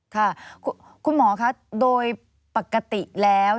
ค่ะคุณหมอคะโดยปกติแล้ว